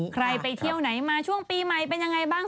ทุกคนจะได้รู้ไหนมาช่วงปีใหม่เป็นยังไงบ้าง